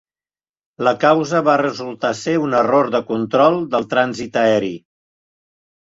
La causa va resultar ser un error de control del trànsit aeri.